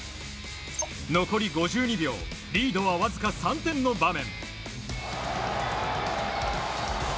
残り５２秒リードはわずか３点の場面。